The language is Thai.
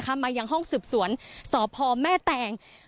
มาอย่างห้องสืบสวนสอบภอมแม่แตง